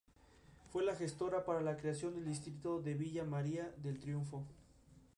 Para los días de pesca construyen pequeñas chozas cilíndricas.